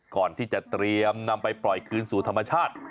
ก่อนที่จะเตรียมนำไปปล่อยคืนสู่ธรรมชาติ